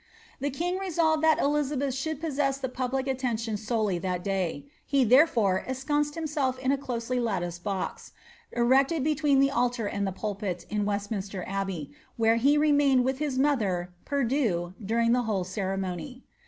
The king resolved that Elizabeth should possess the public attention solely that day ; he therefore en sconced himself in a closely latticed box, erected between the altar and the pulpit in Westminster Abbey, where he remained with his mother, perdue^ during the whole ceremony.